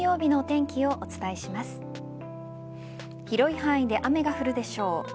広い範囲で雨が降るでしょう。